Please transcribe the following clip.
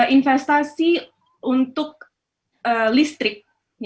investasi untuk listrik